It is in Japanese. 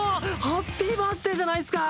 ハッピーバースデーじゃないっすか。